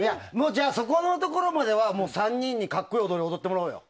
じゃあ、そこのところまでは３人に格好いい踊りを踊ってもらおうよ。